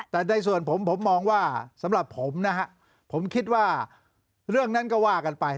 แต่ในส่วนผมผมมองว่าสำหรับผมนะฮะผมคิดว่าเรื่องนั้นก็ว่ากันไป